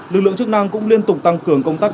lực lượng chức năng cũng liên tục tăng cường công tác